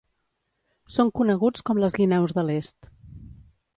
Són coneguts com les guineus de l'est.